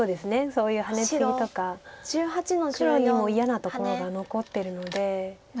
そういうハネツギとか黒にも嫌なところが残ってるので。